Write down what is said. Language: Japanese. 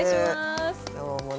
今日もね